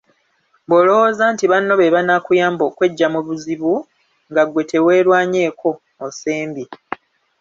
Bw’olowooza nti banno be banaakuyamba okweggya mu bizibu nga ggwe teweerwanyeeko, osembye.